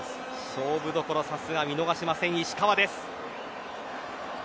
勝負どころ、さすが見逃しません石川です。